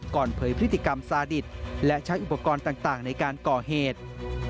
เผยพฤติกรรมซาดิตและใช้อุปกรณ์ต่างในการก่อเหตุ